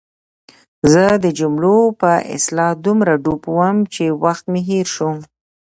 زه د جملو په اصلاح دومره ډوب وم چې وخت مې هېر شو.